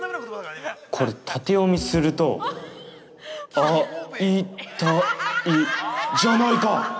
これ、縦読みすると「あ」「い」「た」「い」じゃないか！）